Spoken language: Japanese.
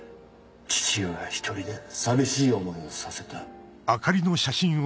父親１人で寂しい思いをさせた。